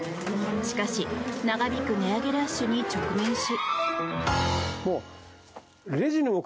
しかし、長引く値上げラッシュに直面し。